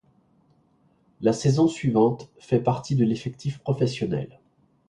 La saison suivante, fait partie de l'effectif professionnel.